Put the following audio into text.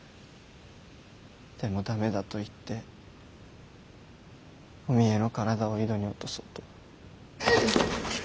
でも駄目だと言ってお三枝の体を井戸に落とそうと。